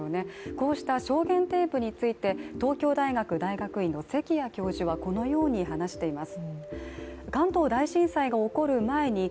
こうした証言テープについて東京大学大学院の関谷教授はこのように話しています。